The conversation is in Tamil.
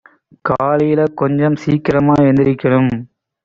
காலையில கொஞ்சம் சீக்கிரமா எந்திரிக்கனும்